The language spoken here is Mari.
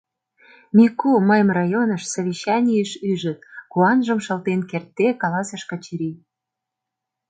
— Мику, мыйым районыш, совещанийыш ӱжыт! — куанжым шылтен кертде каласыш Качырий.